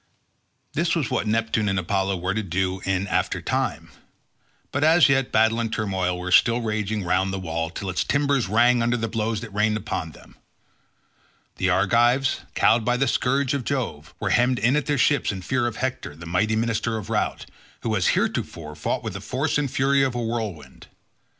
This was what Neptune and Apollo were to do in after time; but as yet battle and turmoil were still raging round the wall till its timbers rang under the blows that rained upon them. The Argives, cowed by the scourge of Jove, were hemmed in at their ships in fear of Hector the mighty minister of Rout, who as heretofore fought with the force and fury of a whirlwind.